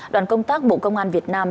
đoàn công tác bộ công an việt nam